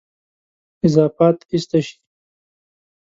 اضافات ایسته شي.